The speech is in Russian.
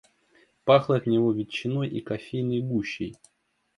Пахло от него ветчиной и кофейной гущей.